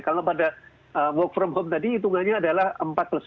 kalau pada work from home tadi hitungannya adalah empat satu